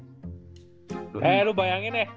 hei lu bayangin ya